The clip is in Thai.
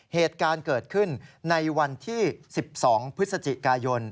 เหตุการณ์เกิดขึ้นในวันที่๑๒พฤศจิกายน